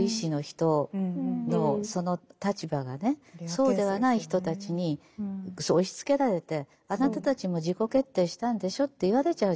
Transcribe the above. そうではない人たちに押しつけられてあなたたちも自己決定したんでしょって言われちゃうじゃないですか。